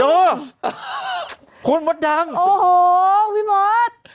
โหคุณหมดดัง